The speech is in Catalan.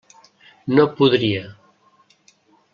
No podria.